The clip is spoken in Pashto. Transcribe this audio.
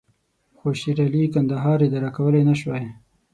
خو شېرعلي کندهار اداره کولای نه شوای.